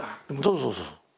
そうそうそうそう。